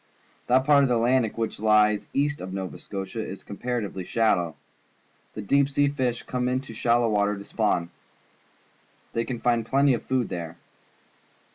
That part of the Atlantic Ocean which lies east of Nova Scotia is comparatively shallow. The deep sea fish come into shal low water to spawn. They can find plenty of food there.